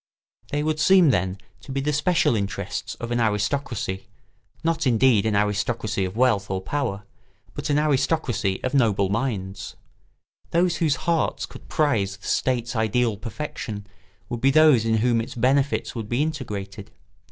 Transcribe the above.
They would seem, then, to be the special interests of an aristocracy, not indeed an aristocracy of wealth or power, but an aristocracy of noble minds. Those whose hearts could prize the state's ideal perfection would be those in whom its benefits would be integrated.